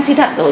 suy thật rồi